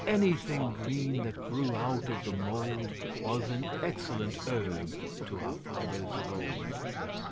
Anything green that grew out of the mould Was an excellent herb to our fathers of old.